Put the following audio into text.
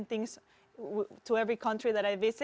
untuk setiap negara yang saya periksa